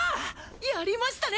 やりましたね！